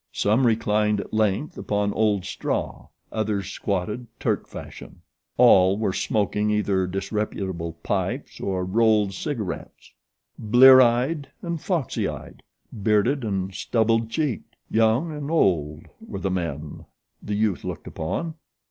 Some reclined at length upon old straw; others squatted, Turk fashion. All were smoking either disreputable pipes or rolled cigarets. Blear eyed and foxy eyed, bearded and stubbled cheeked, young and old, were the men the youth looked upon.